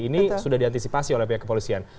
ini sudah diantisipasi oleh pihak kepolisian